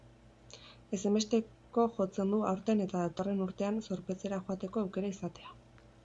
Ezinbesteko jotzen du aurten eta datorren urtean zorpetzera joateko aukera izatea.